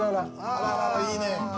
あらららいいね。